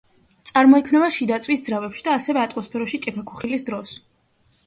წარმოიქმნება შიდაწვის ძრავებში და ასევე ატმოსფეროში ჭექაქუხილის დროს.